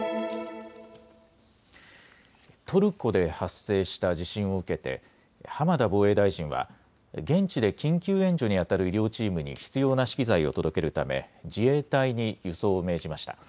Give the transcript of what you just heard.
トルコで発生した地震を受けて浜田防衛大臣は現地で緊急援助にあたる医療チームに必要な資機材を届けるため自衛隊に輸送を命じました。